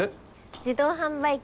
自動販売機。